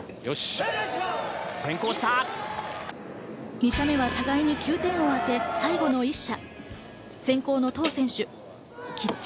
２射目は互いに９点を当て、最後の１射。